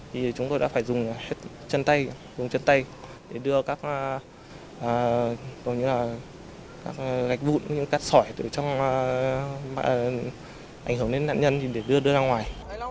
thì chúng tôi đã phải dùng chân tay để đưa các gạch vụn các sỏi ảnh hưởng đến nạn nhân để đưa ra ngoài